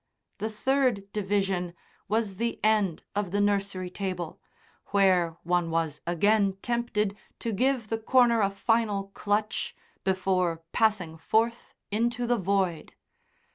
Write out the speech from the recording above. The third division was the end of the nursery table where one was again tempted to give the corner a final clutch before passing forth into the void.